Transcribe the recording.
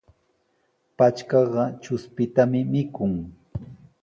Patrkaqa chushpitami mikun.